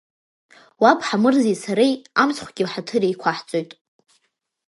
Уаб Ҳамырзеи сареи амыцхугьы ҳаҭыр еиқуаҳҵоит!